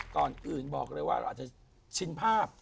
ก่อนอื่นบอกเลยว่าเราอาจจะชินภาพ